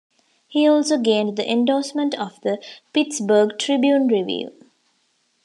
He also gained the endorsement of the "Pittsburgh Tribune-Review".